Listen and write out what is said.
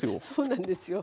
そうなんです。